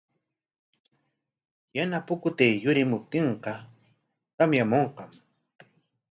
Yana pukutay yurimuptinqa tamyamunqam.